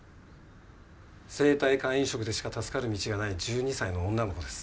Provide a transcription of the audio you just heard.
生体肝移植でしか助かる道がない１２歳の女の子です。